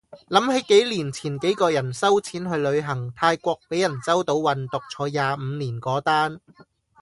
諗起幾年前幾個人收錢去旅行，泰國被人周到運毒坐廿五年嗰單